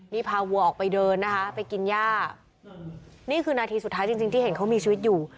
นี่พาวัวออกไปเดินนะคะไปกินย่านี่คือนาทีสุดท้ายจริงที่เห็นเขามีชีวิตอยู่